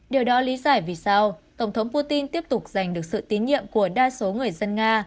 điều đó lý giải vì sao tổng thống putin tiếp tục giành được sự tín nhiệm của đa số người dân nga